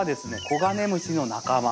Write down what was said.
コガネムシの仲間。